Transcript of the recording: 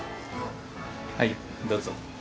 はいどうぞ。